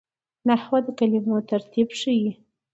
نحوه د کلمو ترتیب ښيي.